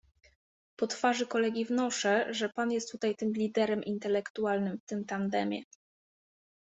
Po twarzy kolegi wnoszę, że pan jest tutaj tym liderem intelektualnym w tym tandemie.